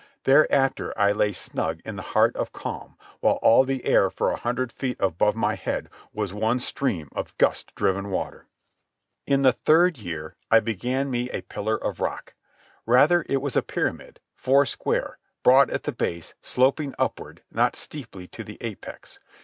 Thereafter I lay snug in the heart of calm while all the air for a hundred feet above my head was one stream of gust driven water. In the third year I began me a pillar of rock. Rather was it a pyramid, four square, broad at the base, sloping upward not steeply to the apex.